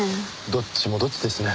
どっちもどっちですね。